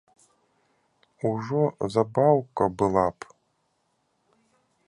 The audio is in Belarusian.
Ужо забаўка была б!